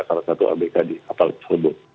salah satu abk di kapal tersebut